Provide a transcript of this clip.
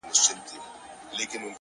پوه انسان د حقیقت لټون نه بندوي؛